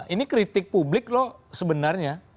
ini kritik publik loh sebenarnya